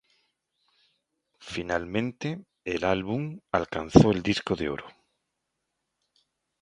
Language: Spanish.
Finalmente el álbum alcanzó el disco de oro.